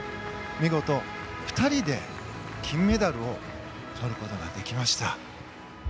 見事、２人で金メダルをとることができました。